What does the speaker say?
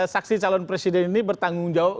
saksi calon presiden ini bertanggung jawab